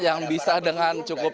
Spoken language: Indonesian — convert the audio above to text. yang bisa dengan cukup